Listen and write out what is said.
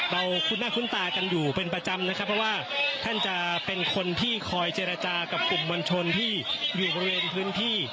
คุ้นหน้าคุ้นตากันอยู่เป็นประจำนะครับเพราะว่าท่านจะเป็นคนที่คอยเจรจากับกลุ่มมวลชนที่อยู่บริเวณพื้นที่